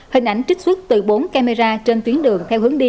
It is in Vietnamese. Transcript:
hình ảnh trích xuất từ bốn camera trên tuyến đường theo hướng đi